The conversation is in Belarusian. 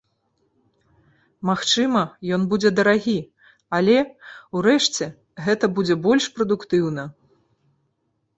Магчыма, ён будзе дарагі, але, урэшце, гэта будзе больш прадуктыўна.